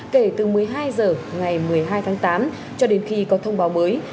kể từ một mươi hai h ngày một mươi hai tháng tám cho đến khi có thông báo mới